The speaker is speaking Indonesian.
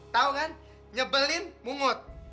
tau kan nyebelin mungut